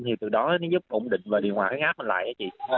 thì từ đó nó giúp ổn định và điều hòa huyết áp mình lại á chị